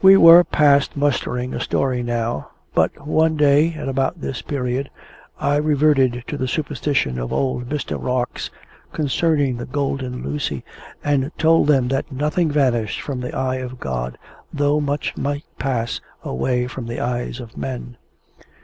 We were past mustering a story now; but one day, at about this period, I reverted to the superstition of old Mr. Rarx, concerning the Golden Lucy, and told them that nothing vanished from the eye of God, though much might pass away from the eyes of men.